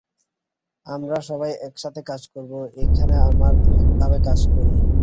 আমরা সবাই একসাথে কাজ করবো এখানে আমরা এভাবেই কাজ করি।